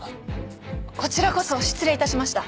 こちらこそ失礼致しました。